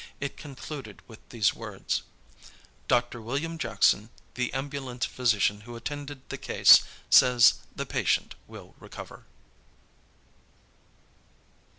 It concluded with these words: "Dr. William Jackson, the ambulance physician who attended the case, says the patient will recover."